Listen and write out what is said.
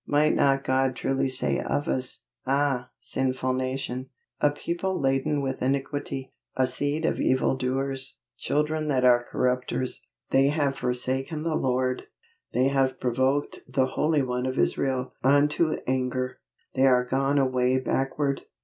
Might not God truly say of us, "Ah, sinful nation, a people laden with iniquity, a seed of evildoers, children that are corrupters: they have forsaken the Lord, they have provoked the Holy One of Israel unto anger: they are gone away backward."